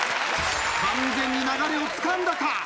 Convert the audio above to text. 完全に流れをつかんだか。